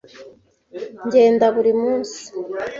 Ngenda buri munsi.